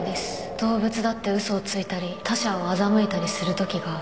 動物だって嘘をついたり他者を欺いたりする時がある。